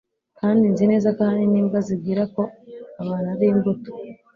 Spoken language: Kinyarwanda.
kandi nzi neza ko ahanini imbwa zibwira ko abantu ari imbuto